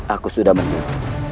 aku sudah menunggu